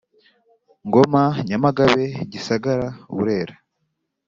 Ngoma Nyamagabe Gisagara Burera